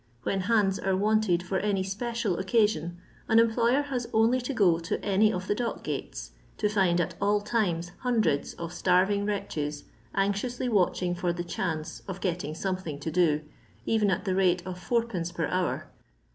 When bands are wanted for any special occasion an employer has only to go to any of the dock gates, to find at all times hundreds of starving wretches anxiously watching for the chance of getting something to do, even at the rate of id. per hour.